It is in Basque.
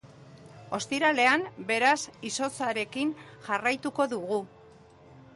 Ostiralean, beraz, izotzarekin jarraituko dugu.